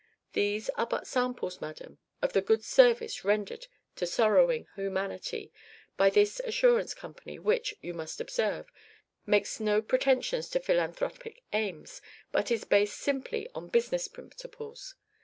These are but samples, madam, of the good service rendered to sorrowing humanity by this assurance company, which, you must observe, makes no pretensions to philanthropic aims, but is based simply on business principles.